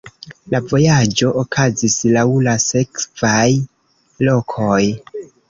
La vojaĝo okazis laŭ la sekvaj lokoj.